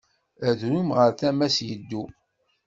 Adrum ɣer tama-s yeddu.